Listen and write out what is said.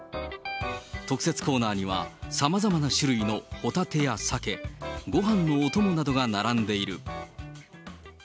特設コーナーには、さまざまな種類のホタテやサケ、ごはんのお供などが並んでいる。